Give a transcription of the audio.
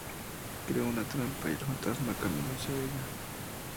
Creó una trampa y el Fantasma caminó hacia ella.